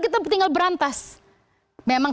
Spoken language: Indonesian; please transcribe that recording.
kita tinggal berantas memang